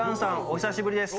お久しぶりです